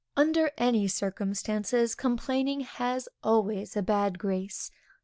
Under any circumstances, complaining has always a bad grace.